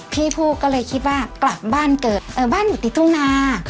พี่ผู้ก็เลยคิดว่ากลับบ้านเกิดเออบ้านอยู่ติดทุ่งนา